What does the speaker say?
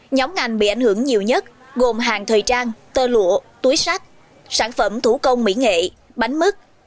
nhóm ngành bị ảnh hưởng nhiều nhất gồm hàng thời trang tơ lụa túi sách sản phẩm thủ công mỹ nghệ bánh mứt